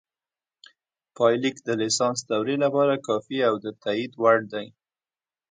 پایلیک د لیسانس دورې لپاره کافي او د تائید وړ دی